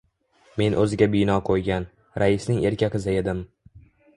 Men o`ziga bino qo`ygan, raisning erka qizi edim